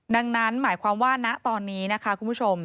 ดังนั้นหมายความว่าณตอนนี้นะคะคุณผู้ชม